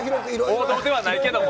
王道ではないけども。